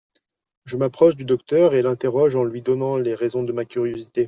Je m'approche du docteur et l'interroge en lui donnant les raisons de ma curiosité.